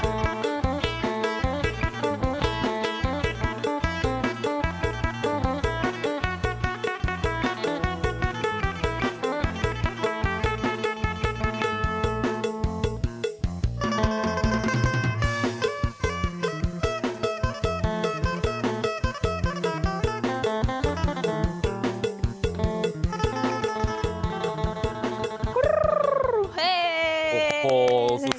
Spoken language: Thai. แห่งความสุข